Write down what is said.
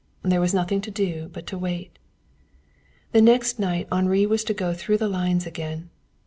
There was nothing to do but to wait. The next night Henri was to go through the lines again.